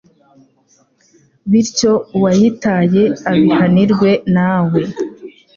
bityo uwayitaye abihanirwe nawe